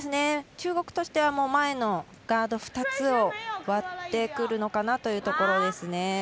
中国としては前のガード２つを割ってくるのかなというところですね。